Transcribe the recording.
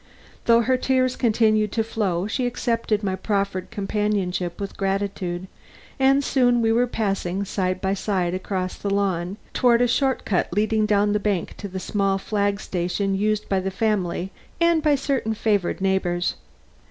Though her tears continued to flow she accepted my proffered companionship with gratitude, and soon we were passing side by side across the lawn toward a short cut leading down the bank to the small flag station used by the family and by certain favored neighbors.